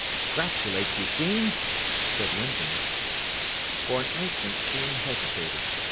"'Gratulate you, Sheen," said Linton. For an instant Sheen hesitated.